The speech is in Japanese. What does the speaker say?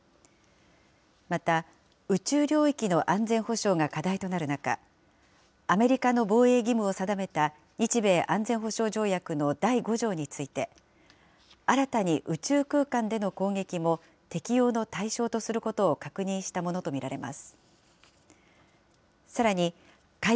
また、宇宙領域の安全保障が課題となる中、アメリカの防衛義務を定めた日米安全保障条約の第５条について、新たに宇宙空間での攻撃も、適用の対象とすることを確認するものと見られます。